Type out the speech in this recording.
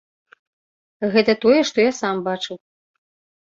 Гэта тое, што я сам бачыў.